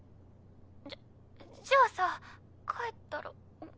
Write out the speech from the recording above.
「じゃじゃあさ帰ったら」ん？